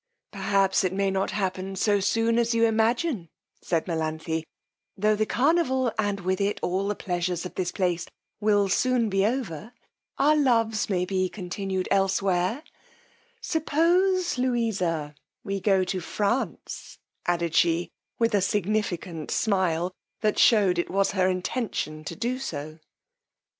Perhaps it may not happen so soon as you imagine, said Melanthe: tho' the carnival, and with it all the pleasures of this place will soon be over, our loves may be continued elsewhere: suppose, Louisa, we go to France, added she with a significant smile, that shewed it was her intention to do so.